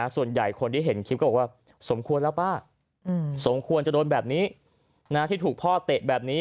ส่วนใหญ่คนที่เห็นคลิปก็บอกว่าสมควรแล้วป้าสมควรจะโดนแบบนี้ที่ถูกพ่อเตะแบบนี้